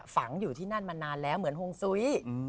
ฝังอยู่ที่นั่นมานานแล้วเหมือนฮงซุ้ย